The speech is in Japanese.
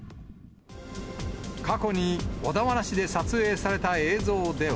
過去に小田原市で撮影された映像では。